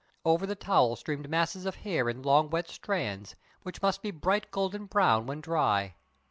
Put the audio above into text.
Over the towel streamed masses of hair in long, wet strands, which must be bright golden brown when dry.